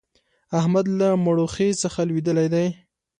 احمد له مړوښې څخه لوېدلی دی.